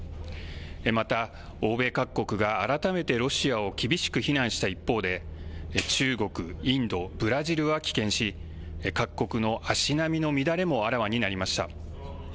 また欧米各国が改めてロシアを厳しく非難した一方で、中国、インド、ブラジルは棄権し、各国の足並みの乱れもあらわになりました。